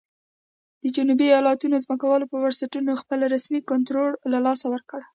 د جنوبي ایالتونو ځمکوالو پر بنسټونو خپل رسمي کنټرول له لاسه ورکړ.